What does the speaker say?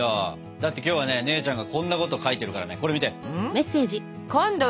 だって今日はね姉ちゃんがこんなこと書いてるからねこれ見て！